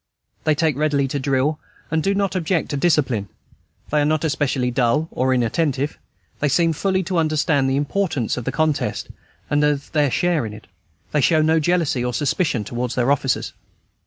They take readily to drill, and do not object to discipline; they are not especially dull or inattentive; they seem fully to understand the importance of the contest, and of their share in it. They show no jealousy or suspicion towards their officers.